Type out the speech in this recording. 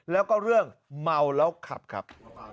แล้วก็เรื่องเมาแล้วขับครับ